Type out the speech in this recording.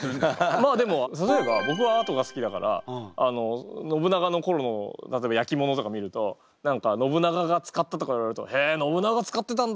まあでも例えば僕はアートが好きだから信長の頃の例えば焼き物とか見ると何か「信長が使った」とか言われると「へえ信長使ってたんだ！